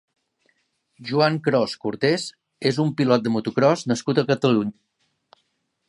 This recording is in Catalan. Joan Cros Cortés és un pilot de motocròs nascut a Catalunya.